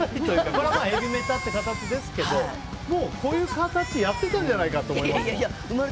これはヘビメタという形ですけどもう、こういう形でやってたんじゃないかと。